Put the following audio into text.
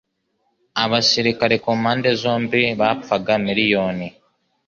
Abasirikare kumpande zombi bapfaga miriyoni